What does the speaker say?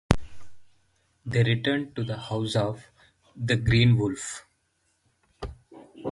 They returned to the house of the Green Wolf.